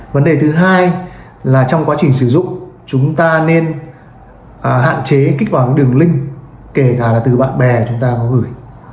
vấn đề thứ hai là trong quá trình sử dụng chúng ta nên hạn chế kích vào đường link kể cả là từ bạn bè chúng ta có gửi